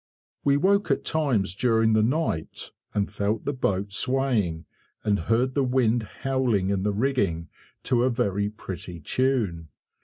[Picture: Perch] We woke at times during the night, and felt the boat swaying, and heard the wind howling in the rigging to a very pretty tune.